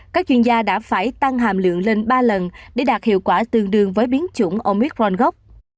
các chuyên gia đã phải tăng hàm lượng lên ba lần để đạt hiệu quả tương đương với biến chủng omic ron gốc